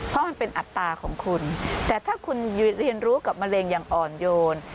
เพราะมันเป็นอัตราของคุณแต่ถ้าคุณเรียนรู้กับมะเร็งอย่างอ่อนโยน